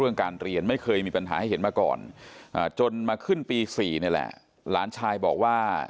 การเรียนไม่เคยมีปัญหาให้เห็นมาก่อนจนมาขึ้นปี๔นี่แหละหลานชายบอกว่า